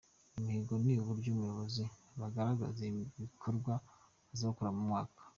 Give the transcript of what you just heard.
Imihigo ni uburyo abayobozi bagaragaza ibikorwa bazakora mu mwaka.